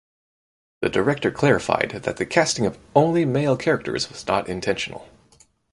The director clarified that the casting of only male characters was not intentional.